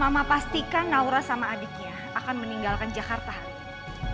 mama pastikan naura sama adiknya akan meninggalkan jakarta hari ini